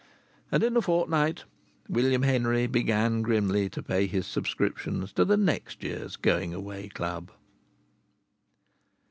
And in a fortnight William Henry began grimly to pay his subscriptions to the next year's Going Away Club.